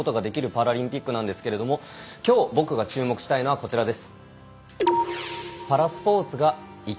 パラリンピックですがきょう僕が注目したいのはこちらです。